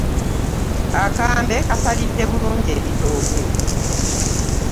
Akambe kaasalidde bulungi ebitooke.